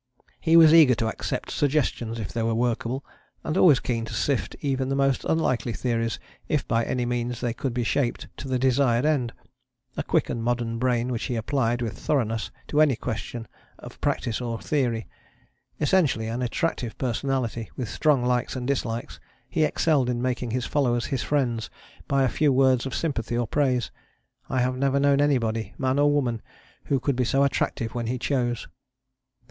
He was eager to accept suggestions if they were workable, and always keen to sift even the most unlikely theories if by any means they could be shaped to the desired end: a quick and modern brain which he applied with thoroughness to any question of practice or theory. Essentially an attractive personality, with strong likes and dislikes, he excelled in making his followers his friends by a few words of sympathy or praise: I have never known anybody, man or woman, who could be so attractive when he chose.